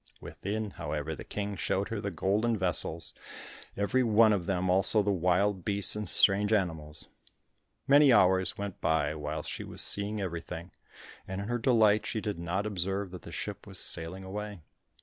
Within, however, the King showed her the golden vessels, every one of them, also the wild beasts and strange animals. Many hours went by whilst she was seeing everything, and in her delight she did not observe that the ship was sailing away.